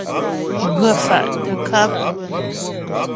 Ghə̀ fà' tə ŋkâp.